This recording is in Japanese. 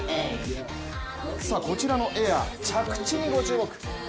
さあ、こちらのエア着地にご注目。